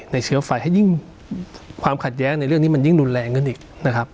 เชื้อไฟให้ยิ่งความขัดแย้งในเรื่องนี้มันยิ่งรุนแรงขึ้นอีกนะครับ